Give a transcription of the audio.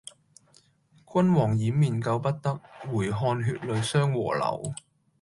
君王掩面救不得，回看血淚相和流。